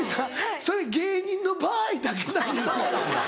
それ芸人の場合だけなんですよ。